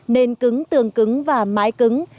nền cứng tường cứng và mái cứng